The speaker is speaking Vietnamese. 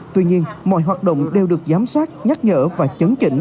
tuy nhiên mọi hoạt động đều được giám sát nhắc nhở và chấn chỉnh